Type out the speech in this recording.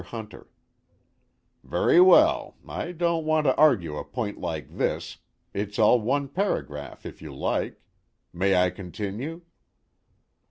HUNTER: Very well I don't want to argue a point like this it's all one paragraph if you like. May I continue?